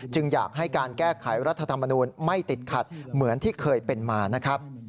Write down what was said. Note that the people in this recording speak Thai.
อยากให้การแก้ไขรัฐธรรมนูลไม่ติดขัดเหมือนที่เคยเป็นมานะครับ